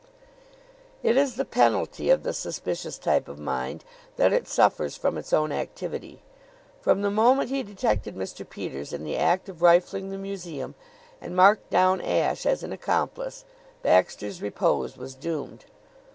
It is the penalty of the suspicious type of mind that it suffers from its own activity. From the moment he detected Mr. Peters in the act of rifling the museum and marked down Ashe as an accomplice, Baxter's repose was doomed.